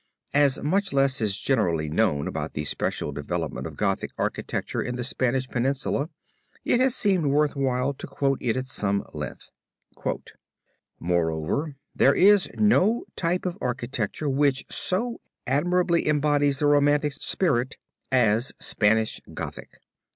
As much less is generally known about the special development of Gothic architecture in the Spanish peninsula, it has seemed worth while to quote it at some length: "Moreover, there is no type of architecture which so admirably embodies the romantic spirit as Spanish Gothic.